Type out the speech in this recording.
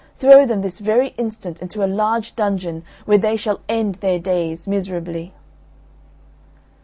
throw them this very instant into a large dungeon, where they shall end their days miserably."